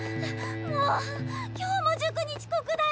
もう今日も塾にちこくだよ！